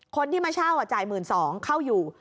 คนที่มาเช่าจ่าย๑๒๐๐เข้าอยู่